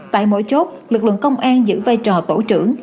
tại mỗi chốt lực lượng công an giữ vai trò tổ trưởng